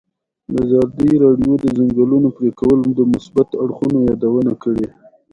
ازادي راډیو د د ځنګلونو پرېکول د مثبتو اړخونو یادونه کړې.